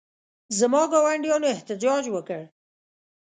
زما ګاونډیانو احتجاج وکړ.